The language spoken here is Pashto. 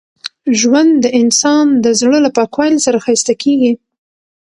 ژوند د انسان د زړه له پاکوالي سره ښایسته کېږي.